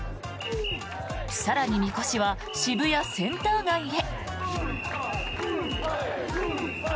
更に、みこしは渋谷センター街へ。